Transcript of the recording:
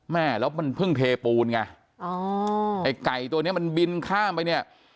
แม่แล้วมันเพิ่งเทปูนไงอ๋อไอ้ไก่ตัวเนี้ยมันบินข้ามไปเนี่ย